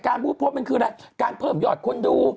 การบู๊ดโพสต์มันคืออะไรการเพิ่มยอดคุณดู